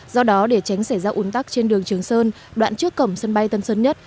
do đó để tránh xảy ra ủn tắc trên đường trường sơn đoạn trước cổng sân bay tân sơn nhất